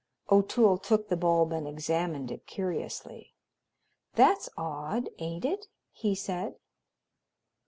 O'Toole took the bulb and examined it curiously. "That's odd, ain't it?" he said.